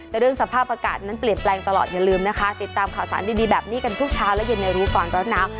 แต่เรื่องสภาพอากาศนั้นเปลี่ยนแปลงตลอดอย่าลืมนะคะติดตามข่าวสารดีแบบนี้กันทุกเช้าและเย็นในรู้ก่อนร้อนหนาว